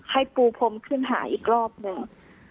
ให้ปูพรมขึ้นหาอีกรอบหนึ่ง